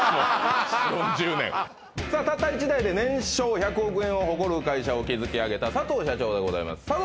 ４０年さあたった一代で年商１００億円を誇る会社を築き上げた佐藤社長でございます